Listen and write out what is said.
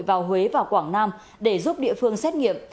vào huế và quảng nam để giúp địa phương xét nghiệm